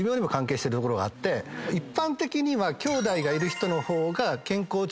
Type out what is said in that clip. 一般的にはきょうだいがいる人の方が健康長寿で。